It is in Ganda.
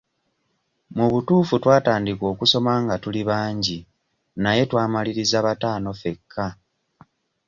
Mu butuufu twatandika okusoma nga tuli bangi naye twamaliriza bataano ffekka.